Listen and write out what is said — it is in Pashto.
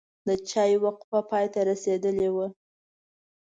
د چای وقفه پای ته رسیدلې وه.